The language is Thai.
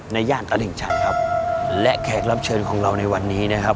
ย่านตลิ่งชันครับและแขกรับเชิญของเราในวันนี้นะครับ